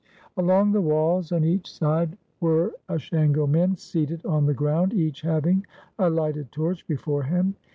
Along the walls on each side were Ashango men seated on the ground, each having a lighted torch before him.